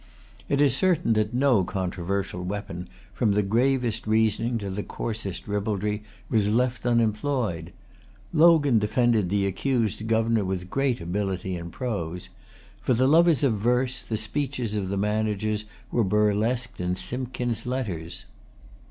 It is certain that no controversial weapon, from the gravest reasoning to the coarsest ribaldry, was left unemployed. Logan defended the accused governor with great ability in prose. For the lovers of verse, the speeches of the managers were burlesqued in Simpkin's letters.